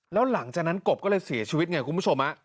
แล้วหลังจากนั้นกบก็เลยเสียชีวิตไงคุณผู้ชม